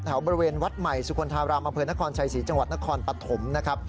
แถวบริเวณวัดใหม่สุคลธารามอำเภอนครชัยศรีจังหวัดนครปฐมนะครับ